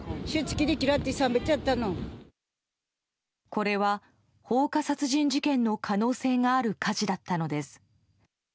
これは放火殺人事件の可能性がある火事だったのです。